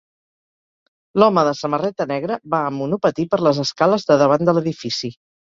L'home de samarreta negra va amb monopatí per les escales de davant de l'edifici.